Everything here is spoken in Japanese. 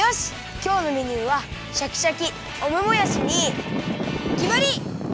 きょうのメニューはシャキシャキオムもやしにきまり！